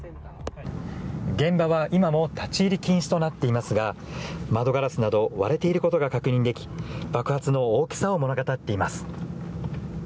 現場は今も立ち入り禁止となっていますが窓ガラスなど、割れていることが確認でき爆発の大きさを物語っています。